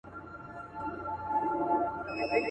چي لیدلی یې مُلا وو په اوبو کي.